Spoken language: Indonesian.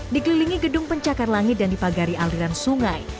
dikelilingi gedung pencakar langit dan dipagari aliran sungai